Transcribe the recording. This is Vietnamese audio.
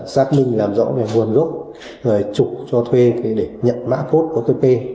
xác minh làm rõ nguồn rốt rồi trục cho thuê để nhận mạng code otp